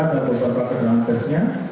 dan berperasa dalam tesnya